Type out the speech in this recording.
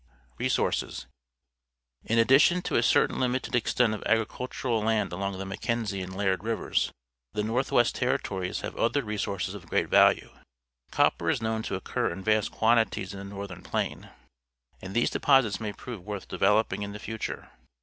Resources. — In addition to a certain limited extent of agricuVtura^L Jand along the Mackenzie and Liard Rivers, the North west Territories have other resources of great value. Copper is known to occur in vast quantities in the Northern Plain, and these deposits may prove worth developing in the future.